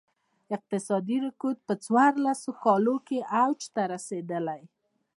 اقتصادي رکود په څوارلس کالو کې اوج ته رسېدلی.